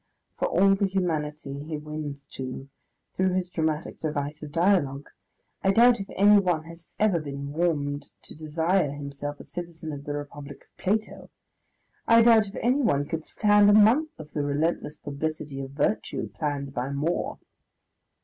For all the humanity he wins to, through his dramatic device of dialogue, I doubt if anyone has ever been warmed to desire himself a citizen in the Republic of Plato; I doubt if anyone could stand a month of the relentless publicity of virtue planned by More....